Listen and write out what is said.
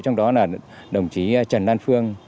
trong đó là đồng chí trần lan phương